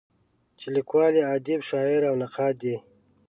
چې لیکوال یې ادیب، شاعر او نقاد دی.